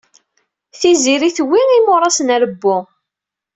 Tiziri tuwey imuras n rebbu.